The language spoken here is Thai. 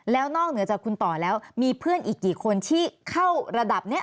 แล้วนอกเหนือจากคุณต่อแล้วมีเพื่อนอีกกี่คนที่เข้าระดับนี้